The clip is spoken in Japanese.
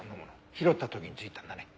拾った時についたんだね。